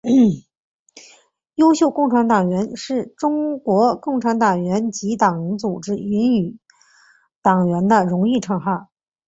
优秀共产党员是中国共产党各级党组织授予党员的荣誉称号。